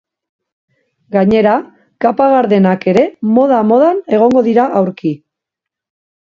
Gainera, kapa gardenak ere moda-modan egongo dira aurki.